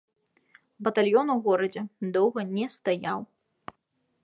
Батальён у горадзе доўга не стаяў.